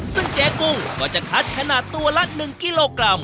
ซึ่งเจ๊กุ้งก็จะคัดขนาดตัวละ๑กิโลกรัม